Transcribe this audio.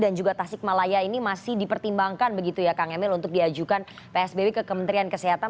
dan juga tasik malaya ini masih dipertimbangkan begitu ya kang emil untuk diajukan psbb ke kementerian kesehatan